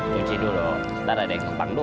cuci dulu ntar ada yang kupang dulu